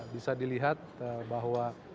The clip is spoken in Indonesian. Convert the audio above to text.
bisa dilihat bahwa